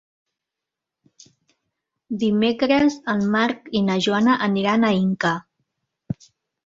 Dimecres en Marc i na Joana aniran a Inca.